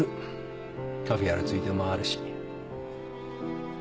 カフェやるついでもあるし。